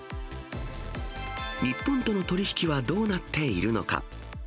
日本との取り引きはどうなっているのか。